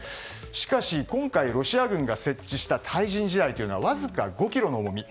しかし、今回ロシア軍が設置した対人地雷はわずか５ｋｇの重み。